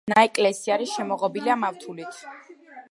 ნაეკლესიარი შემოღობილია მავთულით.